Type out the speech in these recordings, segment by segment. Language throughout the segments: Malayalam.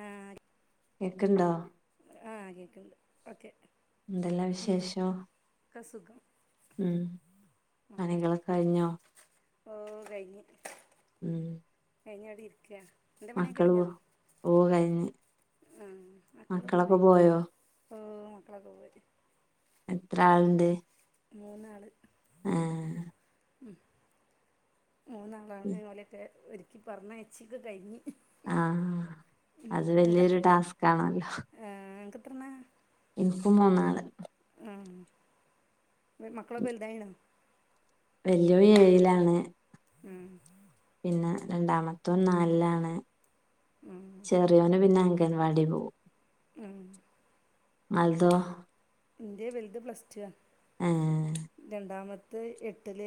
ആഹ് കേക്കണ്ടോ ആഹ് കേക്കണ്ട് ഓക്കെ എന്തെല്ലാ വിശേഷം ഒക്കെ സുഖം ഉം ആ പണികളൊക്കെ കഴിഞ്ഞോ ഓ കയിഞ്ഞ് ഉം കയിഞ്ഞ് ഇവിടെ ഇരിക്കുവാ മക്കള് ഓ കഴിഞ്ഞ് ആഹ് മക്കള് മക്കളൊക്കെ പോയി പോയോ ഓ മക്കളൊക്കെ പോയി എത്ര ആളുണ്ട് മൂന്ന് ആള് ആഹ് ഉം മൂന്നാളാണ് ഓലൊക്കെ ഒരുക്കി പറഞ്ഞയൊച്ചൊക്കെ കഴിഞ്ഞ് ആഹ് അത് വല്യയൊരു ടാസ്കാണല്ലോ ആഹ് അനക്ക് എത്രണ്ണാ എനിക്കും മൂന്നാള് ഉം മക്കളൊക്കെ വലുതായിണോ വാല്യോൻ ഏഴിലാണ് ഉം പിന്നെ രണ്ടാമ മത്തോൻ നാലിലാണ് ഉം ചെറിയോന് പിന്നെ അംഗൻവാടി പോവും ഉം നിങ്ങൾതോ ഇൻ്റെ വലുത് പ്ലസ് ടുവാ ആഹ് രണ്ടാമത്തെ എട്ടില്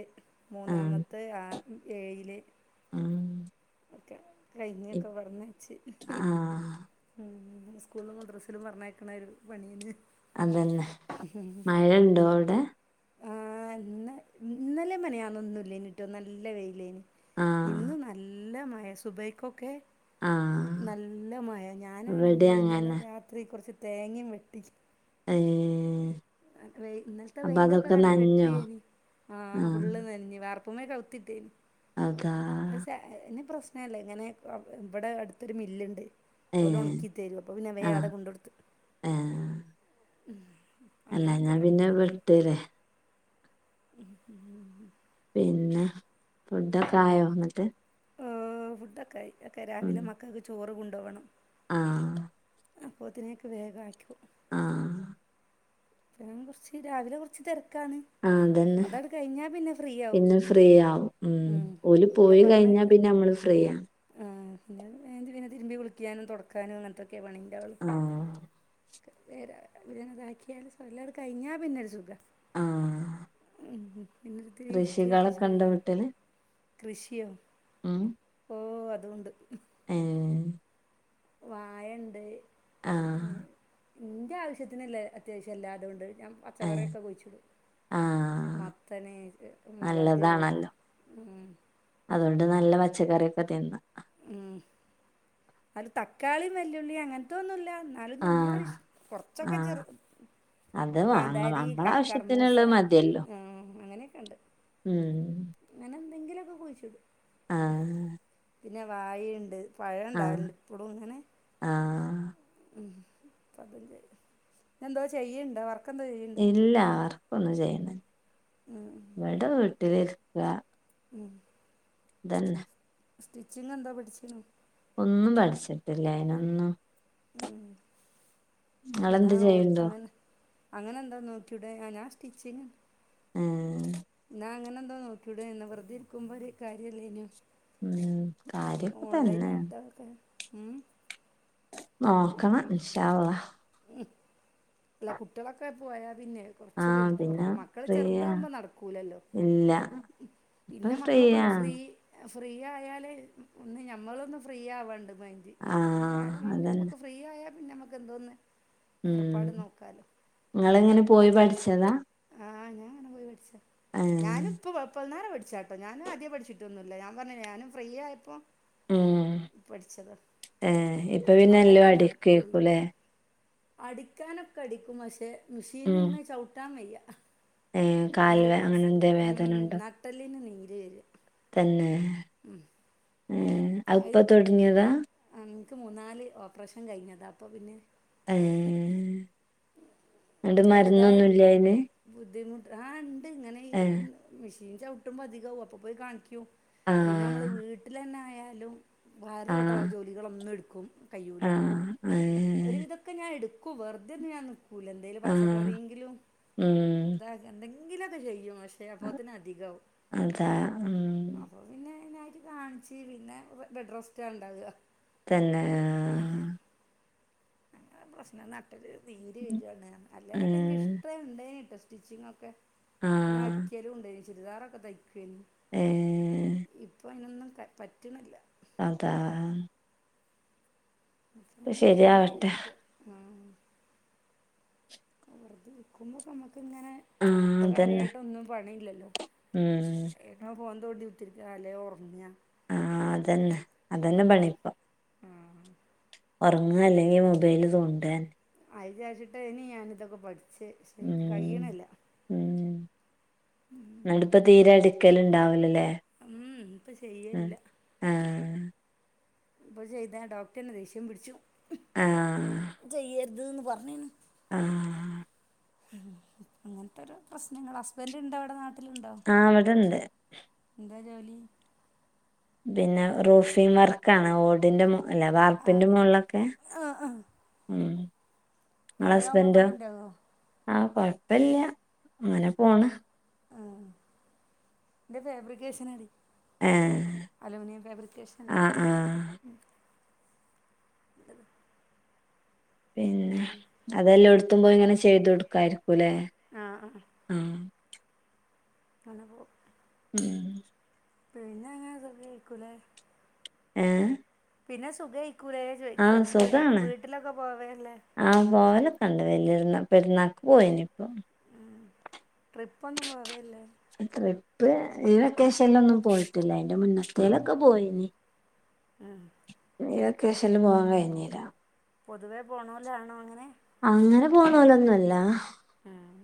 മൂന്നാമത്തെ ആ ഏഴില് ആഹ് ഒക്കെ കഴിഞ്ഞൊക്കെ പറഞ്ഞയച്ച് ആഹ് ഉം സ്കൂളിലും മദ്രസയിലും പറഞ്ഞയക്കണൊരു പണിയാണ് അത് തന്നെ മഴയുണ്ടോ അവിടെ ആഹ് ഇന്ന് ഇന്നലെയും മിനിഞ്ഞാന്നും ഒന്നും ഇല്ലായിന്നുട്ടോ നല്ല വെയിലേന് ആഹ് ഇന്ന് ന നല്ല മഴ സുബ്ഹിക്കൊക്കെ ആഹ് നല്ല മഴ ഞാനാണെങ്കിൽ ഇവടിം അങ്ങനെ ഇന്നലെ രാ ത്രി കൊറച്ച് തേങ്ങയും വെട്ടി ആഹ് വെയി ഇന്നലത്തെ വെയിലൊക്കെ കണ്ട് നനഞ്ഞോ വെട്ടിയേനി ആ ഫുള്ള് നനഞ്ഞി വർ പ്പുമേ കൗത്തിട്ടീന്ന് അതാ അത് സാ എന്നെ പ്രശ്നല്ലേ ഇങ്ങനെ ഇവിടെ അടുത്തൊരു മില്ലുണ്ട് ഏ ഓല് ഒണക്കി തരും അപ്പൊ പിന്നെ വേ ആ ആടെ കൊണ്ട് കൊടുത്ത്ട്ട് ഏ ഉം അങ്ങനെയൊക്കെരോ ഇത് ല്ലെ ത്ത് ലേ പിന്നെ ഫുഡ് ഒക്കെ ആയോ ഇന്നട്ട് ആ ഫുഡൊക്കായി ഒക്കെ രാവിലെ മക്കൾക്ക് ചോറ് കൊണ്ടോവണം ആഹ് അപ്പോത്തിനേക്ക് വേഗം ആക്കി കൊടു ആഹ് പിന്നെ കൊറച്ച് രാവിലെ കൊറച്ച് തിരക്കാണ് ആ അതന്നെ അതട് കഴിഞ്ഞാൽ പിന്നെ ഫ്രീയാവും പിന്നെ ഫ്രീയാവും ഉം ഓല് ഓലെ പോയി കഴിഞ്ഞാൽ പറഞ്ഞയക്കൽ പിന്നെ നമ്മള് ഫ്രീയാ ആ പിന്നെ അത് കഴിഞ്ഞിട്ട് പിന്നെ തിരുമ്പി കുളിക്കാനും തൊടക്കാനും അങ്ങൻത്തൊക്കെ പണീണ്ടാവോള്ളൂ ആ ഇതാക്കിയാൽ സൊയിലാട് കഴിഞ്ഞാൽ പിന്നെ ഒരു സുഖാ ആഹ് ഉം പിന്നെ ഇത്തിരി ഇരിക്കൊക്കെ ഇണ്ടോ ചെയ്യാ കൃഷിയോ ആഹ് ഓ അതും ഉണ്ട് ഏഹ് വായ ഉണ്ട് ആ ഉം ഇന്റെ ആവശ്യത്തിന്ല്ല അത്യാവശ്യം എല്ലാതും ഉണ്ട് ഞാൻ ഏ പച്ചക്കറിയൊക്കെ കുഴിച്ചിടും ആ മത്തന്, മൊളക് ഉം അതോണ്ട് നല്ല പച്ചക്കറിയൊക്കെ തിന്ന ഉം അത് തക്കാളി വല്യുള്ളി അങ്ങനത്തൊന്നുല്ല എന്നാലും ആ ഞമ്മളാവശ്യ കൊറച്ചൊക്കെ ആ ചെറു അത് വാങ്ങും കാന്താരി ക നമ്മള കർമൂസ ആവശ്യത്തിനുള്ളത് മതിയല്ലോ ആ അങ്ങനെ ഒക്കെ ഉണ്ട് ഉം അങ്ങനെ എന്തെങ്കിലൊക്കെ കുഴിച്ചിടും ആഹ് പിന്നെ വായ ഉണ്ട് പഴം ആഹ് ഉണ്ടാവും എപ്പഴും ഇങ്ങനെ ആഹ് ഉ എന്തോ ചെയ്യാണ്ടോ വർ ഇല്ല വർക്ക് ഒന്നും ചെയ്യണില്ല ഇവിടെ വീട്ടിലിരിക്കുക ഉം അതെന്നെ സ്റ്റിച്ചിങ് എന്തോ പഠിച്ചീണോ ഒന്നും പഠിച്ചിട്ടില്ല അനൊന്നും ഉ എന്നാ നിങ്ങളെന്ത് ചെയ്യണ്ടോ അങ്ങനെ അങ്ങനെ എന്തോ നോക്കിടേ ഞ്ഞോ ഞാൻ സ്റ്റിച്ചിങ് ഏഹ് ഞാൻ അങ്ങനെ എന്തോ നോക്കി ടേര്ന്നോ വറുതെ ഇരിക്കുമ്പോ ഒരു കാര്യല്ലേഞ്ഞോ ഉം കാര്യൊക്കെ തന്നെ ഓൺലൈനായിട്ട് ഒക്കെ ഉം നോക്കണം ഇൻഷാ അള്ളാ ഉം അല്ല കുട്ടികളൊക്കെ പോയാ പിന്നെ കുറച്ച് ആഹ് വെൽത് പിന്നെ മക്കള് ഫ്രീയാ ചെറുതാകുമ്പോ നടക്കൂലല്ലോ ഇല്ല ഇപ്പൊ പിന്നെ മക്കളൊക്കെന്ന് ഫ്രീ ഫ്രീയാണ് ഫ്രീ ആയാൽ ഒന്ന് ഞമ്മളൊന്ന് ഫ്രീ ആവാണ്ട് മൈൻറ് അഹ് പിന്നെ ആഹ് ആയാല് പിന്നെ അതന്നെ നമുക്ക് ഫ്രീ ആയാ പിന്നെ നമ്മുക്ക് എന്തോന്ന് ഉം ഏർപ്പാട് നോക്കാലോ ഇങ്ങളെങ്ങനെ പോയി പഠിച്ചതാ ആഹ് ഞാൻ അങ്ങനെ പോയി പഠിച്ച ഏഹ് ഞാനും ഇപ്പ പ്പന്നാരെ പഠിച്ചാ ട്ടോ ഞാനും ആദ്യ പഠിച്ചിട്ടൊന്നുല്ല ഞാന് പറഞ്ഞ ഞാനും ഫ്രീയായപ്പോ ഉം ഏഹ് ഇപ്പ പിന്നെ എല്ലോ അവിടെയൊക്കെ അടി നടക്കുള്ളൂ കേക്കുലേ അടിക്കാനൊക്കെ അടിക്കും പക്ഷെ മെഷീന് ഉം മ്മേര്ന്ന് ചവ്ട്ടാൻ വയ്യ ഏഹ് കാല് അഹ് വേ അങ്ങനെ എന്തേ ഉം വേദന ഉണ്ടോ നട്ടല്ലിന് നീര് വെര തന്നെ ഉം ഏഹ് അഹ് പ്പ തൊടങ്ങേതാ ആഹ് ഇൻക്ക് മൂന്നാല് ഓപ്പറേഷൻ കഴിഞ്ഞതാ അപ്പൊ പിന്നെ ഏഹ് ന്നട്ട് അതിൻ്റെതായ മരുന്നൊന്നുല്ല ബുദ്ധി അയ്ന് ബുദ്ധിമുട്ട് ആഹ് ണ്ട് ഇങ്ങനെ ഈ മെഷീൻ ചവിട്ടുമ്പോൾ അധികമാകവും അപ്പോ പോയി കാണിക്കും പിന്നെ നമ്മള് ആഹ് വീട്ടിലന്നെ ആയാലും ഭാരപെട്ട ആഹ് ജോലികളൊന്നും എടുക്കും കഴൂല ആഹ് ഏഹ് ഒരുവിധൊക്കെ ഞാൻ എട്ക്കും വെറ്തെന്നും ഞാൻ നിക്കൂല എന്തേലും ആഹ് പച്ചക്കറിയെങ്കിലും ഉം ഇത എന്തെങ്കിലൊ ക്കെ ചെയ്യും പക്ഷേ അപ്പോത്തിന് അധികാവും അതാ ഉം അപ്പൊ പിന്നെ അയ്നായിട്ട് കാണിച്ച് പിന്നെ ബെഡ് റെസ്റ്റ ണ്ടാക തന്നെ ഉം അങ്ങനെ പ്രശ്നം നട്ടിലില് നീര് വെരാണ് ആഹ് അല്ലേലൊക്കെ ന്ക്ക് ഏഹ് ഇഷ്ടം ഉണ്ടേനിട്ടോ സ്റ്റിച്ചിങ് ഒക്കെ ഞാൻ ആഹ് അടിക്കലും ഉണ്ടയ്ന് ചുരിദാറൊക്കെ തയ്ക്കയ്നു ഏഹ് ഇപ്പൊ അയ്നൊന്നും കയ് പറ്റ്ണില്ല അതാ ശെരിയാവട്ടെ ആഹ് വെറുതെ നിൽക്കുമ്പോ നമ്മക്കിങ്ങനെ ആഹ് ഇപ്പൊ അതന്നെ കാര്യയിട്ടോന്നും പണയില്ലല്ലോ ഉം ങ്ങനെ ഫോൺതോണ്ടി കുത്തിരിക്ക അല്ലേ ഒർങ്ങ ആഹ് അതന്നെ അതന്നെ പണിപ്പോ ആ ഉറ്ങ്ങ അല്ലെങ്കിൽ മൊബൈല് തോണ്ട അയിജാരിച്ചിട്ടേയ്നി ഞാാനിതൊക്കെ പഠിച്ച് പക്ഷെ ഇൻക്ക് ഉം കഴിണില്ല ഉം ന്നട്ടിപ്പ തീരെ അടിക്കല് ണ്ടാവില്ലല്ലേ ഉം ഉം ഇപ്പചെയ്യലില്ല ആഹ് ഇപ്പൊ ചെയ്താ ഡോക്ടറെനെ ദേഷ്യംപിടിച്ചും ഹ്മ്മ് ആഹ് പ്പോ ചെയ്യര്ത് ന്ന് പർഞ്ക്ക്ണ് ആഹ് ഉം അങ്ങൻതോരോപ്രശ്നങ്ങളാ ഹസ്ബന്റ്ണ്ടോവ്ടെ നാട്ടിലുണ്ടോ? ആഹ് വ്ടെണ്ട് എന്താ ജോലി? പിന്നെ റൂഫിങ് വർക്കാണ് ഓടിന്റെ മു അല്ല വാർപ്പിന്റെമോള്ലൊക്കെ ആ ആ ഉം ഇങ്ങളെ മഴ ആവുമ്പോ ഹസ്ബൻന്റാ പണി ഉണ്ടാവോ ആഹ് കൊഴപ്പല്യ അങ്ങനെ പോണ് ആ ന്റെ ഫാബ്രിക്കേഷൻ എടി ഏ അലൂമിനിയം ഫാബ്രിക്കെഷനല്ലേ പിന്നെ അതെല്ലോടത്തും പോയിങ്ങനെ ചെയ്തോടുക്കാ യിരികുല്ലേ ആ ആഹ് ഹ മ്മ്ഹ് അനപ്പോ ഉം.. പേരിന്നങ്ങനെ തിന്നയ്ക്കുലേ ഏ.. പിന്നെ സുഖയ്ക്കൂലെ ചോയിക്ക്യാ വീട്ടിലൊക്കെപോവലില്ലേ ആ പോവലൊക്കെണ്ട് വല്യര്ന്ന പെരുന്നാക്ക് പോയിനി ഇപ്പോ ഉം ട്രിപ്പൊന്നും പോവാലില്ലെ ല്ലേ ട്രിപ്പ് ഈ വെക്കേഷൻലൊന്നും പോയിട്ടില്ല അയിന്റെ മുന്നത്തേലൊക്കെ പോയിന് ആഹ് ഈ വെക്കേഷൻല് പോകാകഴിഞീല പൊതുവേ പോണോല്ലാണോ അങ്ങനെ അങ്ങനെ പോണ്ണോലോന്നല്ല ആഹ്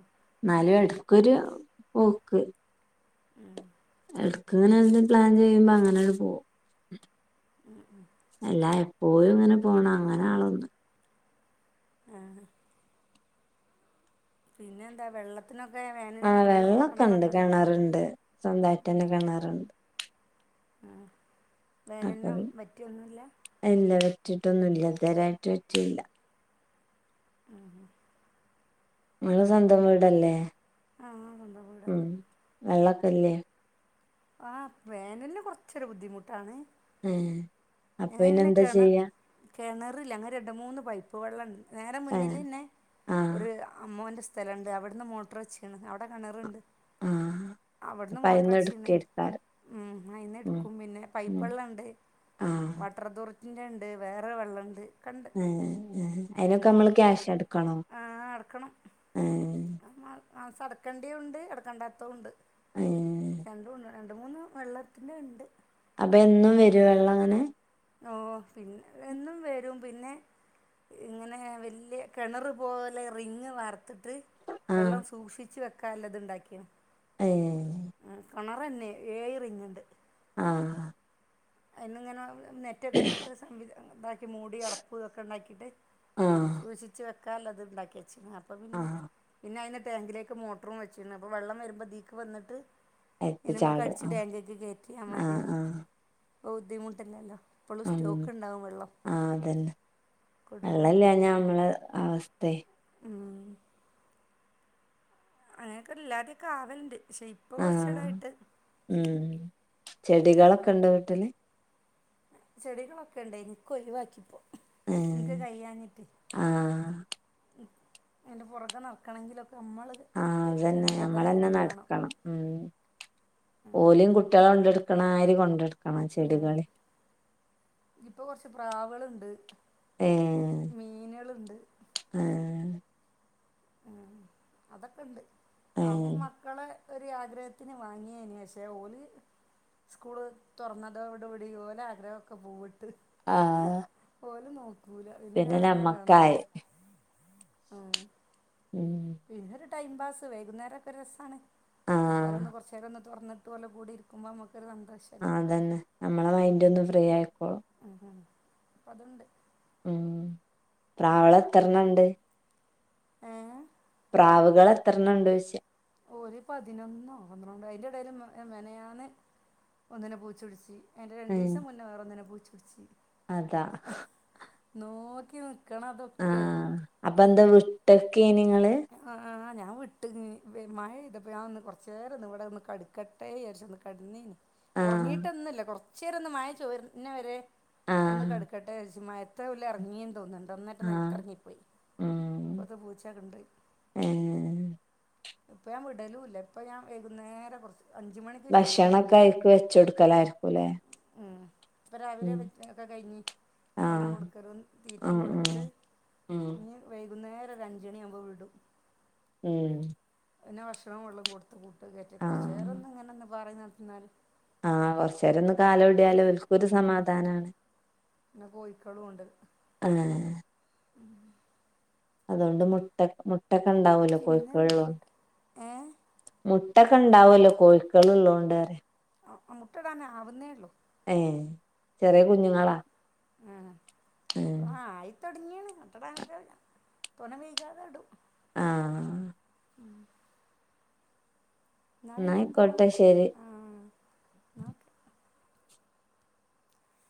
ന്നാലും എടുകൊര് പോക്ക് ഉം എട്ക്ക്‌ങ്ങനെ പ്ലാൻ ചെയ്യുമ്പോ അങ്ങനെങ്ങട് പോവും എല്ല പോയി ഇങ്ങനെ പോണം അങ്ങനെ ആളൊന്ന് ആഹ് പിന്നെന്താ വെള്ളത്തിനൊക്കെ വേനലിന് വെള്ളം കെണറൊക്കെണ്ടോ ഇണ്ട് സ്വന്തായിട്ടന്നെ കെണറ്ണ്ട് ആ അപ്പൊ വേനൽന് പി വറ്റൊന്നുല്ല ഇല്ല വെറ്റിട്ടൊന്നുല്ല്യ ഇതുവരായിട്ട് വെറ്റില്യ ഉം ഹും ങ്ങള് സ്വന്തംവീടല്ലേ ആ സ്വന്തംവീടാ വെള്ളക്കല്ല്യെ ആ വേനൽല്ല് കൊർച്ചൊരു ബുദ്ധിമുട്ടാണ് ഏ.. ഞങ്ങഹ് പിന്നെ കെണ കെണറില്ല അങ്ങ് രണ്ട് മൂന്ന് പൈപ്പ് വെള്ളണ്ട് ഏഹ് നേരെമുന്നിലന്നെ ആഹ് ഒര് അമ്മോൻ്റെ സ്ഥലണ്ട് അവിടുന്ന് മോട്ട്റ് വെച്ച്ണ് അവ്ടെകെണറുണ്ട് ആഹ് അവ്ട്ന്ന് അപ്പൊ അയിന്ന് മോട്ട്ർച്ച്ണ് എടുക്ക എടുക്കാറ് ഉം അയിന്ന് ഉം എടുക്കും പിന്നെ പൈപ്പ് ഉം വെള്ളംഇണ്ട് ആഹ് വാട്ടർ ദോറിറ്റിൻ്റെ ഉണ്ട് വേറെ വെള്ളം ഉണ്ട് ഏഹ് ഏഹ് അയ്നൊക്കമ്മള് ക്യാഷ് അടക്കണോ അടക്കണം ആഹ് ആഹ് മാസം അടക്കണ്ടിയ ഉണ്ട് അടക്കണ്ടാത്ത ഉണ്ട് ഏഹ് രണ്ടും ഉണ്ട് രണ്ട് മൂന്ന് വെള്ളത്തി്ന്റെ ണ്ട് അപ്പൊ എന്നും വരൊ വെള്ളങ്ങനെ ഓഹ് പിൻ എന്നും വരും പിന്നെ ഇങ്ങനെ വല്യ കെണറ് പോലെ റിങ്ങ് വാർത്തിട്ട് ആഹ് വെള്ളം സൂക്ഷിച്ചു വെക്കാല്ലത്ണ്ടാക്കി ഏഹ് ണ് കെണറന്നെ ഏഴ് റിങ്ണ്ട് ആഹ് അയ്ന്ന്ങ്ങനെ നെറ്റൊക്കെ ഇട്ടിട്ട് സംവി താക്കി മൂടി അടപ്പ് ഇതൊക്കെ ണ്ടാക്കിട്ട് ആഹ് സൂക്ഷിച്ച് വെക്കാല്ലത്ണ്ടാക്കി വച്ച്ണ്ർ ഞ് അപ്പം ആഹ് പിന്നെ അയ്ന് ടാങ്കിലേക്ക് മോട്ടറും വെച്ചിരുന്നു. അപ്പൊ വെള്ളം വരുമ്പോ ദീക്ക് വന്നിട്ട് അയിക്ക് ചാടും ഇനിമ്മക്ക്ടിച്ചു ആഹ് ടാങ്കക്ക് കയറ്റിയാ മതി. ആഹ് ആഹ് പ്പ ബുദ്ധിമുട്ടില്ലല്ലോ ഇപ്പോഴും ഉം സ്റ്റോക്ക് ഉണ്ടാവും വെള്ളം ആഹ് അതന്നെ കുടുങ്ങൂല വെള്ളല്ലാഞ്ഞാ നമ്മളെ അവസ്തേയ് ഉം അങ്ങനെക്കെ ഇല്ലാതെക്കാവൽണ്ട്. ക്ഷേ ഇപ്പൊ ആഹ് കൊർച്ചെടായിട്ട് ഉം ചെടികളൊക്കെണ്ടൊ വീട്ടില് ചെടികളൊക്കെണ്ടേനി ക്കൊഴിവാക്കിപ്പോ ഇൻക്ക് ഏഹ് കഴിയാഞ്ഞിട്ട് ആഹ് അയ്ൻ്റെ പൊറകെ നട്ക്കണങ്കിലൊക്കെ അമ്മള് ആഹ് അതന്നെ ഞമ്മളെന്നെ നട്ക്കണം ഉം ഓല്യും കുട്ട്യളെ കൊണ്ടട്ക്ക്‌ണാതിരി കൊണ്ടട്ക്കണം ചെടികള്യും ഇപ്പൊ കൊർച്ച് പ്രാവുകളുണ്ട് ഏഹ് മീനുകളുണ്ട് ആഹ് ഉം അതൊക്കെ ഉണ്ട് അതും ഏഹ് മ ക്കളെ ഒരു ആഗ്രഹത്തിന് വാങ്ങിയേ നി. പക്ഷെ ഓല് സ്കൂള് തൊറന്നതോടുകൂടി ഓലെ ആഗ്രഹക്കെ പൂവിട്ട് ആഹ് ഓല് നോക്കൂല പിന്നെ ഞാനെന്നെ വേണതും ഉം പിന്നെ രു ടൈം പാസ് വൈകുന്നേരം ഒക്കെ ഒരു രസാണ്. ആഹ് ഓലൊന്ന് കുറച്ചു നേരം തുറന്നിട്ട് ഓലെ കൂടി ഇരിക്കുമ്പ അമ്മക്കൊരു സന്തോഷം ആന്ന് അതന്നെ നമ്മളെ മൈന്ഡ് ഒന്ന് ഫ്രീ ആയിക്കോളൂ ഉം ഉം അപ്പ അതുണ്ട് ഉം പ്രാവുകള് എത്രണ്ണണ്ട് ഏഹ് പ്രാവുകളെത്രണ്ണംണ്ടോയ്ച്ച ര് പതിനൊന്നോ പന്ത്രണ്ടോ അതിന്റെഎടേല് മിനിയാന്ന് ഒന്നിനെ പൂച്ചപുട്ച്ച് അയ്ന്റെ ഉം രണ്ടീസം മുന്നെ വേറൊന്നിനെ പൂച്ചട്ച്ച് അതാ നോക്കി നിക്കണതൊക്കെയ് അപ്പന്താ വിട്ടക്കേനി ങ്ങള് അ ആ ആഹ് ഞാൻ വിട്ട് മഴ പെയ്തപ്പോ ഞാൻ ഒന്ന് കൊർച്ചേരൊന്ന് വടൊന്ന് കട്ക്കട് ട്ടേയാര്ച്ചൊന്ന് കടന്നീനി ആഹ് ഉറങ്ങിട്ടന്നല്ല. കൊർ ചേരം ഒന്ന് മയ ചോര്ന്ന വരെ ഒന്ന് ആഹ് കട്ക്കട്ടെ രാച്ച്. മഴത്ത ഓല് ഇറങ്ങിയെന്ന് തോന്നുന്നുണ്ട് ട്ടൊന്നയിട്ട് ആഹ് നെൽത്തെർങ്ങിപ്പോയി. ഉം അപ്പൊക്ക പൂച്ചടെണ്ട് ഏഹ് ഇപ്പൊ ഞാൻ വിടലും ഇല്ല ഇപ്പൊ ഞാൻ വൈകുന്നേരം കുറച്ച് അഞ്ച് മണി ഭക്ഷണോക്കെ അയിക്ക് വെച്ചോട്ക്കലായിരിക്കുംല്ലേ ഉം ഇപ്പൊ രാവിലെ വ ഒക്കെ കഴിഞ്ഞി. വെള്ളം ആഹ് കൊടുക്കലും തീറ്റി ഉം കൊട്ത്ത് ഉ ഇനി വൈകുന്നേരം ഒരു അഞ്ചണിയാകുമ്പോ വിടും ഉം പിന്നെ ഭക്ഷണവും വെള്ളം കൊട്ത്ത് കൂട്ട് കേറ്റി കുറച്ച് ആഹ് നേരൊന്ന് ഇങ്ങനെന്ന് പാറി നടന്നാൽ ആഹ് കോറച് നേരം ഒന്ന് കാല് ഓടിയാൽ ഓൽക്കൊരു സമാധാനാണ് പിന്നെ കോഴിക്കളും ണ്ട് അങ്ങനെ അതുകൊണ്ട് മുട്ട മുട്ടക്കെ ണ്ടാവൂലോ പിന്നെ കോഴക്കള്ളുണ്ട് ഏ മുട്ടക്കെ ണ്ടാവല്ലോ കോഴിക്കള് ള്ളോണ്ട് പറി ആ മുട്ട ഇടാൻ ആവുന്നേള്ളു ഏ ചെറിയ കുഞ്ഞുങ്ങളാ ആ ആഹ് ആ ആയിത്തൊടങ്ങിണ് അത്രവനൊക്ക തോനെ വൈകാതെ ഇടും ആ ഉം ന്നാ എന്നാ പിന്നെന്താ ആയിക്കോട്ടെ ശരി ആ ന്ന ഓക്കെ